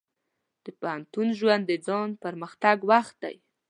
د پوهنتون ژوند د ځان پرمختګ وخت دی.